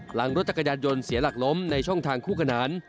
หลังรถจักรยานยนต์เสียหลักล้มในช่องทางคู่ขนาน